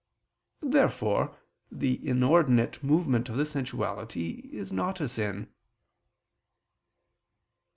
Therefore the inordinate movement of the sensuality is not a sin.